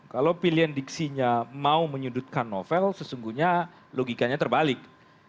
kalau pilihan diksinya mau menyudutkan novel sesungguhnya logikanya terbalik